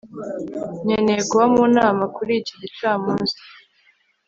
nkeneye kuba mu nama kuri iki gicamunsi